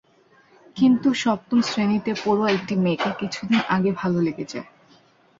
কিন্তু সপ্তম শ্রেণীতে পড়ুয়া একটি মেয়েকে কিছুদিন আগে ভালো লেগে যায়।